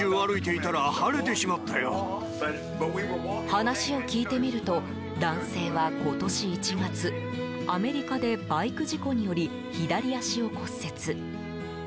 話を聞いてみると、男性は今年１月アメリカでバイク事故により左足を骨折。